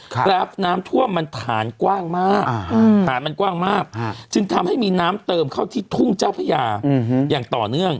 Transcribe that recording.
กราฟน้ำท่วมมันฐานกว้างมากฐานมันกว้างมากจึงทำให้มีน้ำเติมเข้าที่ทุ่งเจ้าพญาอย่างต่อเนื่อง